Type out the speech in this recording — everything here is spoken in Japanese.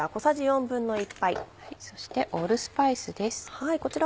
そしてオールスパイスです。